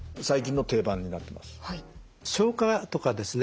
消化とかですね